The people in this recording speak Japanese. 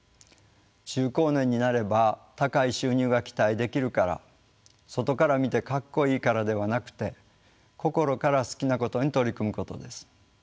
中高年になれば「高い収入が期待できるから」「外から見てかっこいいから」ではなくて心から好きなことに取り組むことです。